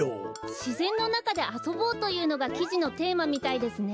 「しぜんのなかであそぼう」というのがきじのテーマみたいですね。